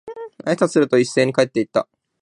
挨拶をすると、一斉に帰って行った。